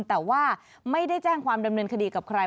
แต่ว่าไม่ได้แจ้งความดำเนินคดีกับใคร